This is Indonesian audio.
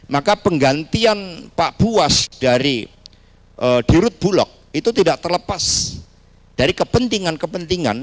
maka penggantian pak buas dari dirut bulog itu tidak terlepas dari kepentingan kepentingan